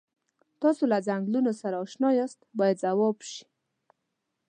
تاسو له څنګلونو سره اشنا یاست باید ځواب شي.